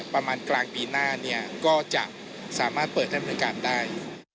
ประมาณกลางปีหน้าก็จะสามารถเปิดทำเป็นการได้